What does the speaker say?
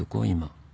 今。